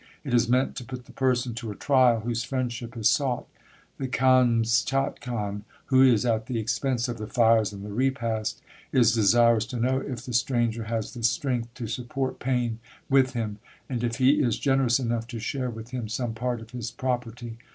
It is meant to put the person to a trial, whose friendship is sought. The Kamschatkan who is at the expense of the fires, and the repast, is desirous to know if the stranger has the strength to support pain with him, and if he is generous enough to share with him some part of his property.